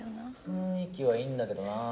雰囲気はいいんだけどなぁ。